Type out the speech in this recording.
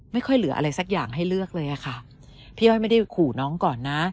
ไม่ค่อยเหลืออะไรสักอย่างให้เลือกเลยอะค่ะพี่อ้อยไม่ได้ขู่น้องก่อนนะ